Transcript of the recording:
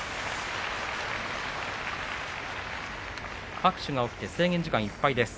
拍手が起きて制限時間いっぱいです。